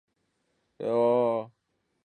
熔点时可被氯酸钾或硝酸钾氧化。